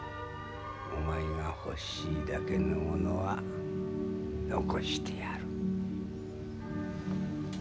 お前が欲しいだけのものは残してやる。